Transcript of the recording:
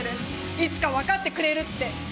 いつかわかってくれるって！